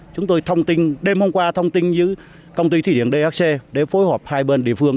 chúng tôi đêm hôm qua thông tin với công ty thủy điện dhc để phối hợp hai bên địa phương